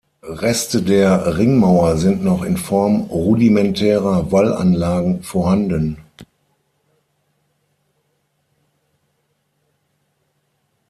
Reste der Ringmauer sind noch in Form rudimentärer Wallanlagen vorhanden.